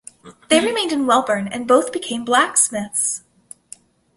They remained in Welburn and both became Blacksmiths.